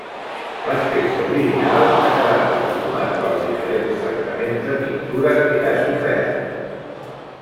L'aspecte original ha quedat deformat pels diferents tractaments de pintura que ha sofert.